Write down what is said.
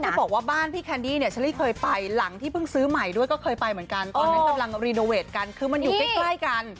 จะบอกว่าบ้านพี่แคนดี้เนี่ยเชอรี่เคยไปหลังที่เพิ่งซื้อใหม่ด้วยก็เคยไปเหมือนกันตอนนั้นกำลังรีโนเวทกันคือมันอยู่ใกล้ใกล้กัน